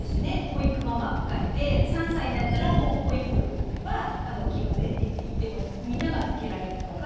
保育ママがいて３歳になったらもう保育は義務でみんなが預けられるとか。